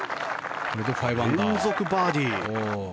連続バーディー。